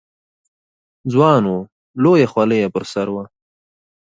ځوان و، لویه خولۍ یې پر سر وه.